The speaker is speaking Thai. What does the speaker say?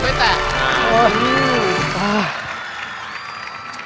อ้าว